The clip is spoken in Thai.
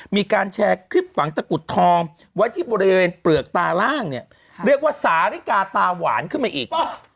มีการแชร์คลิปฝังตะกุดทองไว้ที่บริเวณเปลือกตาล่างเนี่ยเรียกว่าสาริกาตาหวานขึ้นมาอีก